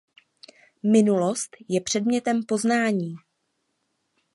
Minulost je předmětem poznání.